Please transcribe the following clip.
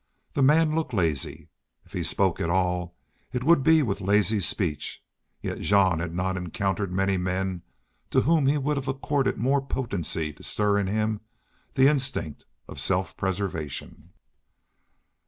The man looked lazy. If he spoke at all it would be with lazy speech, yet Jean had not encountered many men to whom he would have accorded more potency to stir in him the instinct of self preservation.